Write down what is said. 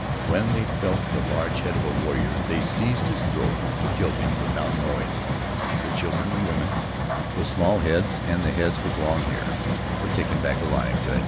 When they felt the large head of a warrior they seized his throat and killed him without noise; the children and women — the small heads and the heads with long hair — were taken back alive to Atiu.